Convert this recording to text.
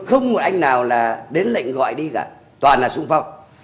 không có ai nào đến lệnh gọi đi cả toàn là xung phong